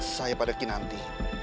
saya pada kinanti